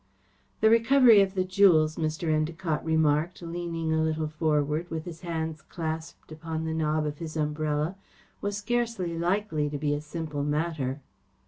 "The recovery of the jewels," Mr. Endacott remarked, leaning a little forward, with his hands clasped upon the knob of his umbrella, "was scarcely likely to be a simple matter."